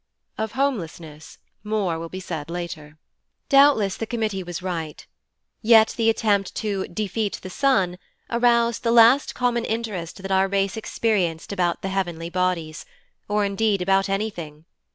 Of Homelessness more will be said later. Doubtless the Committee was right. Yet the attempt to 'defeat the sun' aroused the last common interest that our race experienced about the heavenly bodies, or indeed about anything.